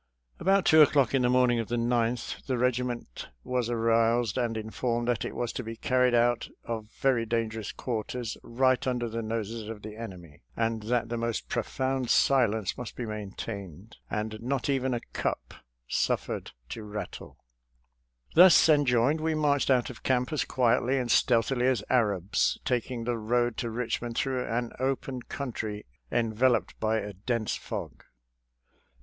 AROUND YORKTOWN 37 About two o'clock on the morning of the 9th the regiment was aroused and informed that it was to be carried out of very dangerous quarters, right under the noses of the enemy, and that the most profound silence must be maintained, and not even a cup suffered to rattle. Thus en joined, we marched out of camp as quietly and stealthily as Arabs, taking the road to Kichmond through an open country enveloped by a dense fog.